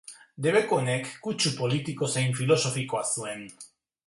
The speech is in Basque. Debeku honek, kutsu politiko zein filosofikoa zuen.